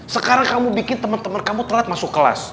sekarang kamu bikin temen temen kamu telat masuk kelas